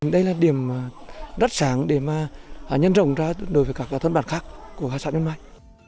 đây là điểm rất sáng để mà nhân rộng ra đối với các thôn bản khác của hà sản nhân mai